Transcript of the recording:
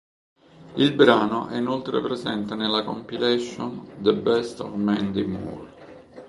Il brano è inoltre presente nella compilation "The Best of Mandy Moore".